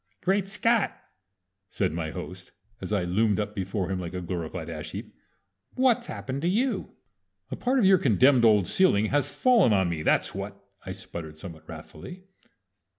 "Great Scott!" said my host, as I loomed up before him like a glorified ash heap. "What's happened to you?" "A part of your condemned old ceiling has fallen on me, that's what!" I sputtered somewhat wrathfully.